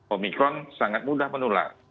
omikron sangat mudah menular